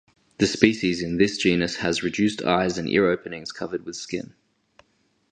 The species in this genus has reduced eyes and ear openings covered with skin.